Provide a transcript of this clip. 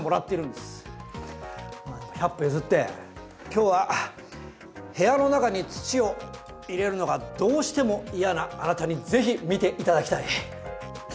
百歩譲って今日は部屋の中に土を入れるのがどうしても嫌なあなたに是非見て頂きたい。